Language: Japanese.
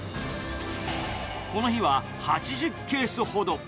この日は８０ケースほど。